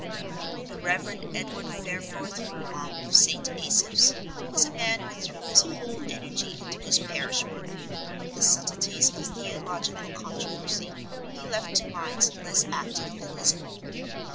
The Reverend Edward Fareforth Furlong of St. Asaph's was a man who threw his whole energy into his parish work. The subtleties of theological controversy he left to minds less active than his own.